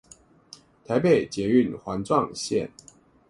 臺北捷運環狀線